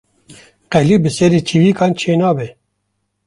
Qelî bi serê çîvikan çê nabe